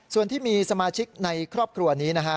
ส่วนที่มีสมาชิกในครอบครัวนี้นะฮะ